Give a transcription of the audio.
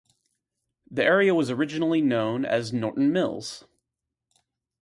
The area was originally known as Norton Mills.